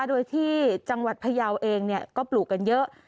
โดยที่จังหวัดพยาวเองก็ปลูกกันเยอะ